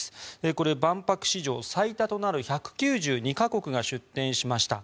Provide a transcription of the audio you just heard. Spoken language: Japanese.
これ、万博史上最多となる１９２か国が出展しましした。